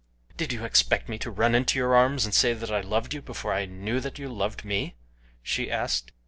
"Did you expect me to run into your arms, and say that I loved you before I knew that you loved me?" she asked.